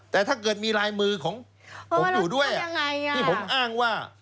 แต่ถ้าเกิดมีลายมือของผมอยู่ด้วยที่ผมอ้างว่า